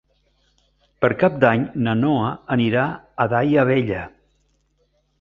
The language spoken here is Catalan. Per Cap d'Any na Noa anirà a Daia Vella.